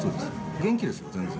元気ですよ、全然。